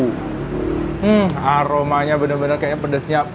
hmm aromanya bener bener kayaknya pedesnya